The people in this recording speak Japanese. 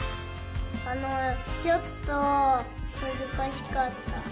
あのちょっとむずかしかった。